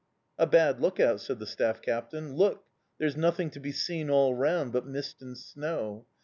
"A bad look out," said the staff captain. "Look! There's nothing to be seen all round but mist and snow.